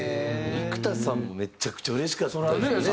幾田さんもめちゃくちゃうれしかったでしょうね。